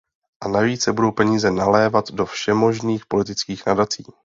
A navíc se budou peníze nalévat do všemožných politických nadací.